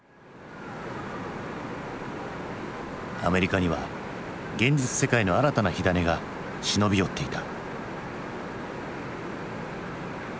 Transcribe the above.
アメリカには現実世界の新たな火種が忍び寄っていた。